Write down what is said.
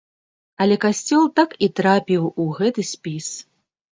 Але касцёл так і трапіў у гэты спіс.